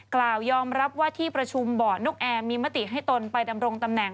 กล่าวยอมรับว่าที่ประชุมบ่อนกแอร์มีมติให้ตนไปดำรงตำแหน่ง